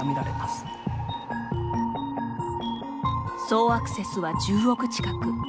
総アクセスは１０億近く。